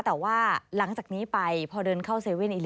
แต่ว่าหลังจากนี้ไปพอเดินเข้า๗๑๑